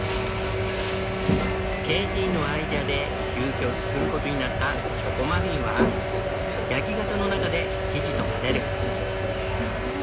ケイティのアイデアで急きょ作ることになったチョコマフィンは焼き型の中で生地と混ぜる。